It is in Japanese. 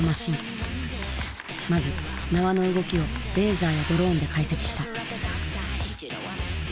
まず縄の動きをレーザーやドローンで解析した。